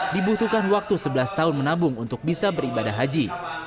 dibutuhkan waktu sebelas tahun menabung untuk bisa beribadah haji